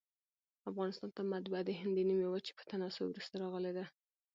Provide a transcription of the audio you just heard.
افغانستان ته مطبعه دهند د نیمي وچي په تناسب وروسته راغلې ده.